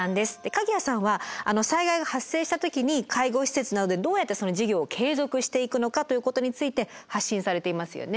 鍵屋さんは災害が発生した時に介護施設などでどうやって事業を継続していくのかということについて発信されていますよね。